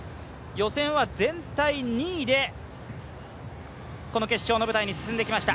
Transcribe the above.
予選は全体２位でこの決勝に進んできました。